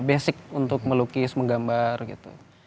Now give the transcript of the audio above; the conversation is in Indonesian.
basic untuk melukis menggambar gitu